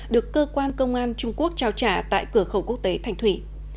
được cơ quan công an trung quốc trao trả tại cửa khẩu quốc tế thành thủy